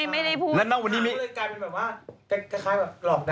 ไม่ได้พูดแรกได้เหมือนกลายเป็นแบบว่าลอบด่าอะไรอย่างเงี้ย